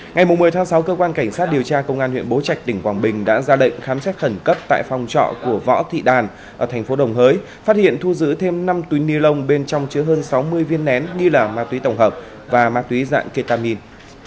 ngày một mươi tháng sáu cơ quan cảnh sát điều tra công an huyện bố trạch tỉnh quảng bình đã ra lệnh khám xét khẩn cấp tại phòng trọ của võ thị đàn ở thành phố đồng hới phát hiện thu giữ thêm năm túi ni lông bên trong chứa hơn sáu mươi viên nén nghi là ma túy tổng hợp và ma túy dạng ketamin